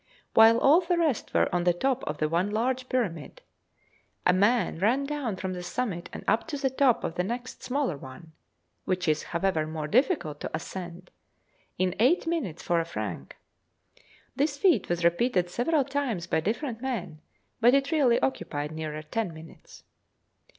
While all the rest were on the top of the one large Pyramid, a man ran down from the summit and up to the top of the next smaller one (which is, however, more difficult to ascend) in 'eight minutes for a franc' This feat was repeated several times by different men, but it really occupied nearer ten minutes.